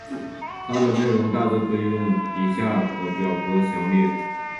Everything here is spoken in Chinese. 它的内容大致可以用以下的表格详列。